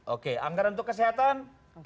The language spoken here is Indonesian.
oke anggaran untuk kesehatan